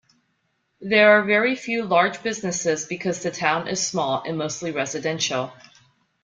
There are very few large businesses because the town is small and mostly residential.